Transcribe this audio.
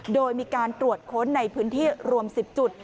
โดยมีการตรวจค้นในพื้นที่รวม๑๐จุด